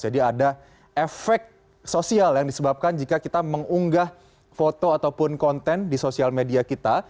jadi ada efek sosial yang disebabkan jika kita mengunggah foto ataupun konten di sosial media kita